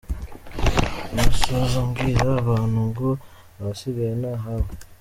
Nasoza mbwira abantu ngo ahasigaye ni ahabo.